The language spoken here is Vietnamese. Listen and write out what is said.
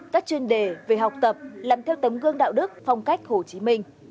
các chuyên đề về học tập làm theo tấm gương đạo đức phong cách hồ chí minh